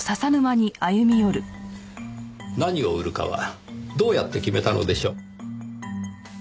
何を売るかはどうやって決めたのでしょう？